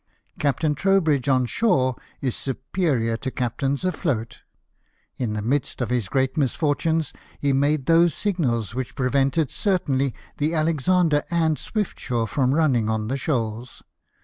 Captain Trowbridge on shore is superior to captains afloat; in the midst of his great misfortunes he made those signals which prevented certainly the Alexander and Swiftsure from running on the shoals.